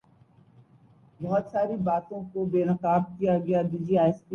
جدیددور میں سائنس دانوں نے اس دائرے میں بہت سا کام کیا ہے